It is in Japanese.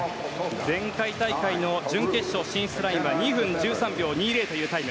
前回大会の準決勝進出ラインは２分１３秒２０というタイム。